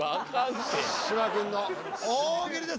芝君の大喜利です。